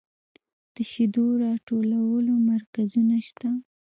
د شیدو راټولولو مرکزونه شته؟